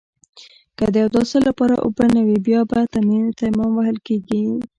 که د اوداسه لپاره اوبه نه وي بيا به تيمم وهل کېده.